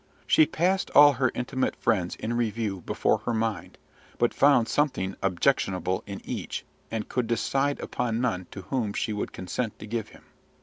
She passed all her intimate friends in review before her mind, but found something objectionable in each, and could decide upon none to whom she would consent to give him.